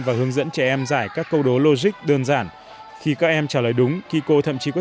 và hướng dẫn trẻ em giải các câu đố logic đơn giản khi các em trả lời đúng kiko thậm chí có